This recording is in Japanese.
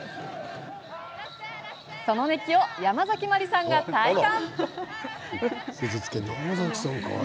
その熱気をヤマザキマリさんが体感。